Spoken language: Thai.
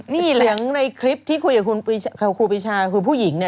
นี่เหลืองในคลิปที่คุยกับครูปีชาคือผู้หญิงเนี่ย